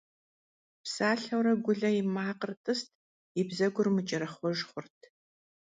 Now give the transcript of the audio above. Псалъэурэ, Гулэ и макъыр тӀыст, и бзэгур мыкӀэрэхъуэж хъурт.